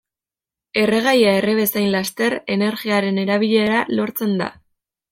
Erregaia erre bezain laster energiaren erabilera lortzen da.